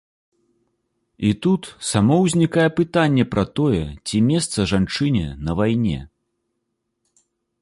І тут само ўзнікае пытанне пра тое, ці месца жанчыне на вайне.